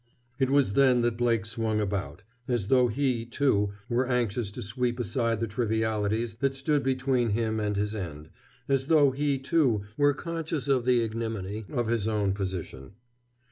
It was then that Blake swung about, as though he, too, were anxious to sweep aside the trivialities that stood between him and his end, as though he, too, were conscious of the ignominy of his own position.